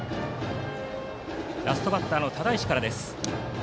ラストバッターの只石からです。